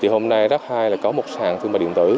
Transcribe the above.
hôm nay rắc hai có một sàn thương mại điện tử